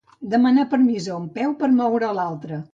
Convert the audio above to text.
Demanar permís a un peu per moure l'altre.